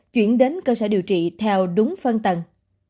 chuyển đến cơ sở điều trị theo đúng phân tầng